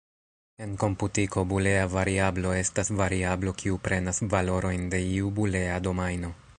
En komputiko, bulea variablo estas variablo kiu prenas valorojn de iu bulea domajno.